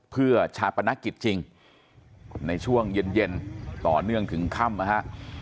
เพื่อชาปนกิจจริงในช่วงเย็นต่อเนื่องถึงค่ำนะฮะ